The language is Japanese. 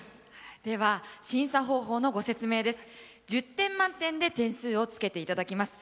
では審査方法のご説明です。